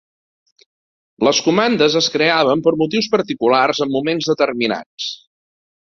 Les comandes es creaven per motius particulars en moments determinats.